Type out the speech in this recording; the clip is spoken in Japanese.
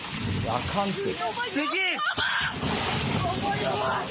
あかんて。